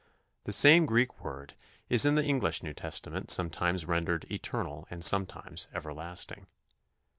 The same Greek word is in the English New Testament sometimes rendered eternal and sometimes everlasting.